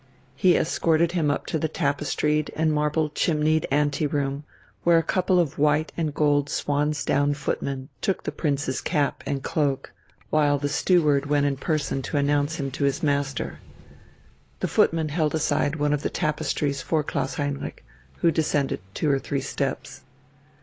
He escorted him up into the tapestried and marble chimneyed ante room, where a couple of white and gold swan's down footmen took the Prince's cap and cloak, while the steward went in person to announce him to his master.... The footman held aside one of the tapestries for Klaus Heinrich, who descended two or three steps.